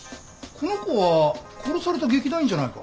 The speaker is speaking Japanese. この子は殺された劇団員じゃないか。